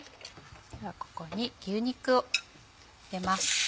ではここに牛肉を入れます。